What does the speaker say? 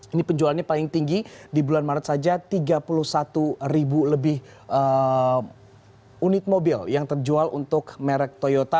ini penjualannya paling tinggi di bulan maret saja tiga puluh satu ribu lebih unit mobil yang terjual untuk merek toyota